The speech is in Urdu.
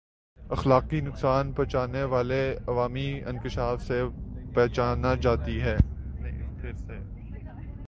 اخلاقی نقصان پہچانے والے عوامی انکشاف سے بچنا چاہتی تھِی